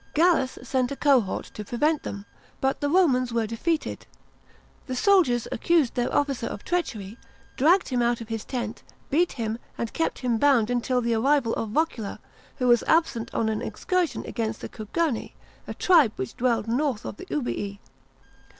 Gallus sent a cohort to prevent them, but the Romans were defeated. The soldiers accused their officer of treachery, dragged him out of his tent, beat him, and kept him bound until the arrival of Vocula, who was absent on an excursion against the Cugerni, a tribe which dwelled north of the Ubii.